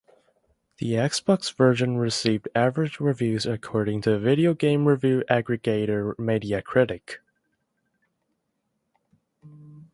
The Xbox version received "average" reviews according to video game review aggregator Metacritic.